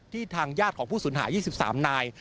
ทางญาติของผู้สูญหาย๒๓นาย